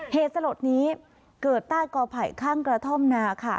เหตุสลดนี้เกิดใต้กอไผ่ข้างกระท่อมนาค่ะ